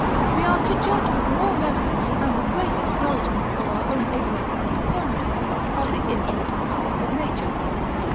We are to judge with more reverence, and with greater acknowledgment of our own ignorance and infirmity, of the infinite power of nature.